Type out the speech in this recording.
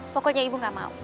pokoknya ibu gak mau